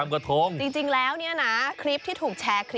กล้ามหรอ